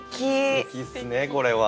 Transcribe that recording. すてきっすねこれは。